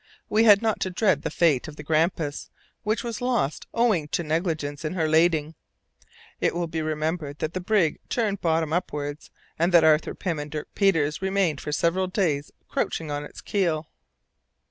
We had not to dread the fate of the Grampus, which was lost owing to negligence in her lading. It will be remembered that the brig turned bottom upwards, and that Arthur Pym and Dirk Peters remained for several days crouching on its keel.